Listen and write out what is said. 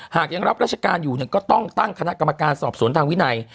ยังรับราชการอยู่ก็ต้องตั้งคณะกรรมการสอบสวนทางวินัย